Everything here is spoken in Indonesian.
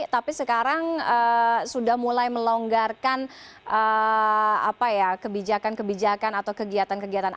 tapi sekarang sudah mulai melonggarkan kebijakan kebijakan atau kegiatan kegiatan